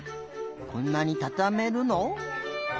こんなにたためるの？